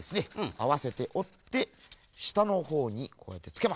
あわせておってしたのほうにこうやってつけます。